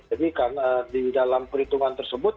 jadi karena di dalam perhitungan tersebut